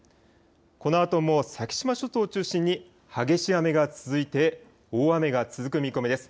このあとも先島諸島を中心に激しい雨が続いて大雨が続く見込みです。